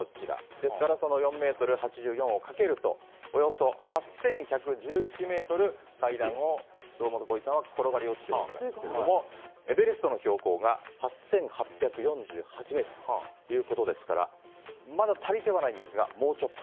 ですから４ｍ８４をかけるとおよそ８１１１ｍ階段を堂本光一さんは転がり落ちているわけですがべレストの標高が８８４８ｍですからまだ足りていないんですがもうちょっと。